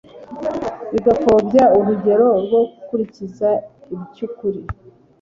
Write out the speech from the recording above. bigapfobya urugero rwo gukurikiza icy'ukuri